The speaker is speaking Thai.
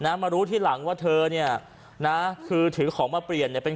มารู้ทีหลังว่าเธอเนี่ยนะคือถือของมาเปลี่ยนเนี่ยเป็น